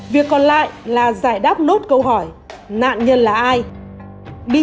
việc còn lại là giải đáp nốt câu hỏi nạn nhân là ai